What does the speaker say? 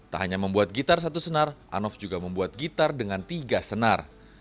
tak hanya membuat gitar satu senar anov juga membuat gitar dengan tiga senar